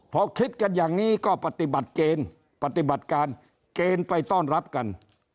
พอคิดกันอย่างนี้ก็ปฏิบัติเกณฑ์ปฏิบัติการเกณฑ์ไปต้อนรับกัน